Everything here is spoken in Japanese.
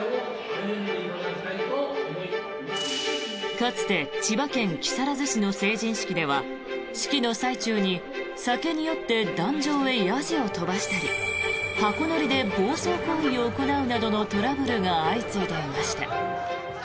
かつて千葉県木更津市の成人式では式の最中に酒に酔って壇上へやじを飛ばしたり箱乗りで暴走行為を行うなどのトラブルが相次いでいました。